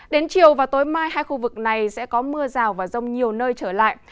đến chiều và tối mai hai khu vực này sẽ có mưa rào và rông nhiều nơi trở lại